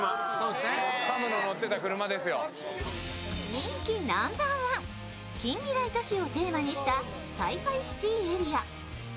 人気ナンバーワン、近未来都市をテーマにしたＳｃｉ−ＦｉＣｉｔｙエリア。